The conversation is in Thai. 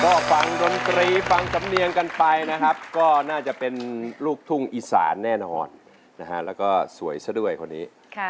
ก็ฟังดนตรีฟังสำเนียงกันไปนะครับก็น่าจะเป็นลูกทุ่งอีสานแน่นอนนะฮะแล้วก็สวยซะด้วยคนนี้